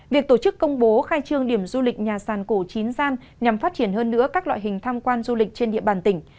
việc tổ chức công bố khai trương điểm du lịch nhà sàn cổ chín gian nhằm phát triển hơn nữa các loại hình tham quan du lịch trên địa bàn tỉnh